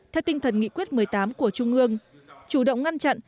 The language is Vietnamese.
theo tinh thần nghị quyết một mươi tám của trung ương chủ động ngăn chặn